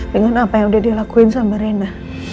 dengan apa yang udah dilakuin sama rena